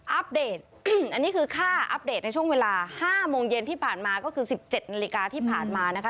อัปเดตอันนี้คือค่าอัปเดตในช่วงเวลา๕โมงเย็นที่ผ่านมาก็คือ๑๗นาฬิกาที่ผ่านมานะคะ